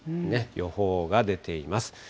予報が出ています。